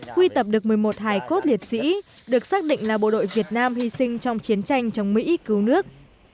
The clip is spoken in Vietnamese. quy tập được một mươi một hải cốt liệt sĩ được xác định là bộ đội việt nam hy sinh trong chiến tranh chống mỹ cứu nước